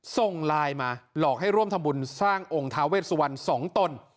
ส่งไลน์มาหลอกให้ร่วมทำบุญสร้างองค์ท้าเวสวรรณ๒ตน